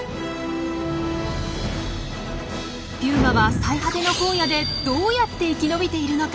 ピューマは最果ての荒野でどうやって生き延びているのか？